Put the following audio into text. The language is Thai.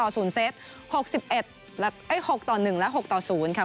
เซต๖๑และ๖๐ค่ะ